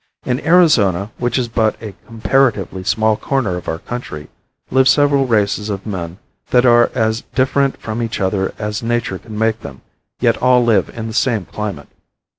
In Arizona, which is but a comparatively small corner of our country, live several races of men that are as different from each other as nature could make them, yet all live in the same climate.